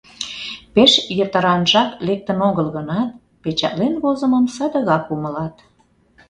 Пеш йытыранжак лектын огыл гынат, печатлен возымым садыгак умылат.